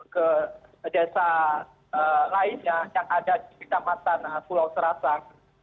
ke desa lainnya yang ada di ketamatana pulau serasan